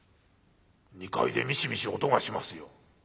２階でミシミシ音がしますよ。